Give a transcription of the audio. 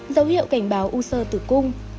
dấu hiệu cảnh báo u sơ tử cung